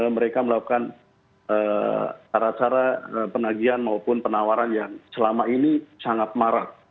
mereka melakukan cara cara penagihan maupun penawaran yang selama ini sangat marah